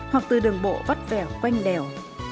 hoặc từ đường bộ vắt vẻo quanh đèo